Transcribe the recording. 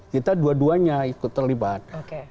kita dua duanya ikut terlibat